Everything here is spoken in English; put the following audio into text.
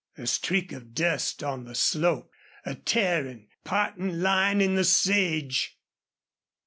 A streak of dust on the slope a tearing, parting line in the sage!